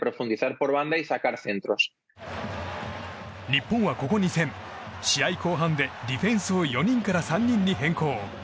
日本はここ２戦試合後半でディフェンスを４人から３人に変更。